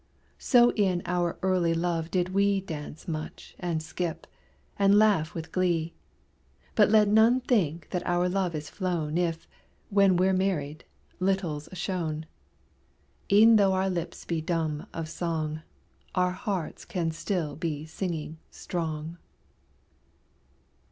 So in our early love did we Dance much and skip, and laugh with glee: But let none think our love is flown If, when we're married, little's shown: E'en though our lips be dumb of song, Our hearts can still be singing strong.